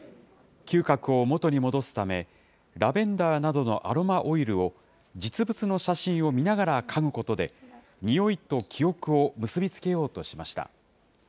嗅覚を元に戻すため、ラベンダーなどのアロマオイルを、実物の写真を見ながら嗅ぐことで、においと記憶を結び付けようとしました。